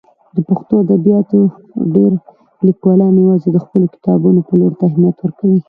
د پښتو ادبیاتو ډېری لیکوالان یوازې د خپلو کتابونو پلور ته اهمیت ورکوي.